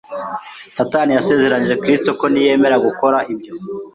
Satani yasezeraniye Kristo ko niyemera gukora ibyo,